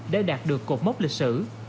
để đạt được cột mốc lịch sử